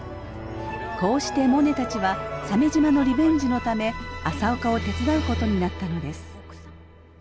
こうしてモネたちは鮫島のリベンジのため朝岡を手伝うことになったのです。